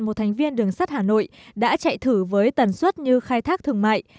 một thành viên đường sắt hà nội đã chạy thử với tần suất như khai thác thương mại